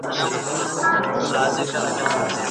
دا مهارت روزنې ته اړتیا لري.